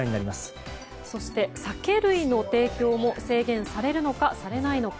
そして、酒類の提供も制限されるのか、されないのか。